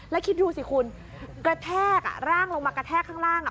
แล้วคิดดูสิคุณกระแทกอ่ะร่างลงมากระแทกข้างล่างอ่ะ